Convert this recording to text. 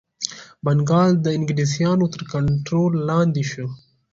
بنګال د انګلیسیانو تر کنټرول لاندي شو.